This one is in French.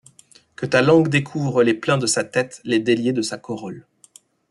Que ta langue découvre les pleins de sa tête, les déliés de sa corolle.